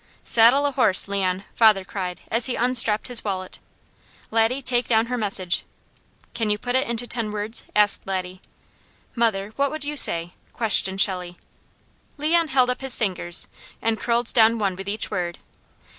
'" "Saddle a horse, Leon!" father cried as he unstrapped his wallet. "Laddie, take down her message." "Can you put it into ten words?" asked Laddie. "Mother, what would you say?" questioned Shelley. Leon held up his fingers and curled down one with each word.